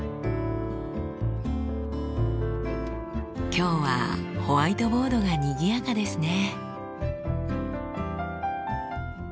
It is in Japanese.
今日はホワイトボードがにぎやかですね。